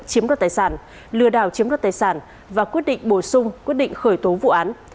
chiếm đoạt tài sản lừa đảo chiếm đoạt tài sản và quyết định bổ sung quyết định khởi tố vụ án